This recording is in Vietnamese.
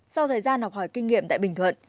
sau thời gian học hỏi kinh nghiệm tại bình thuận